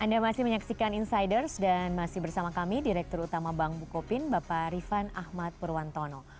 anda masih menyaksikan insiders dan masih bersama kami direktur utama bank bukopin bapak rifan ahmad purwantono